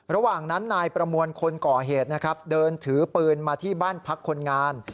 ระหว่างนั้นนายประมวลคนก่อเหตุนะครับเดินถือปืนมาที่บ้านพักคนงาน